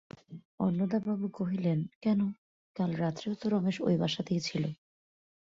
অন্নদাবাবু কহিলেন, কেন, কাল রাত্রেও তো রমেশ ঐ বাসাতেই ছিল।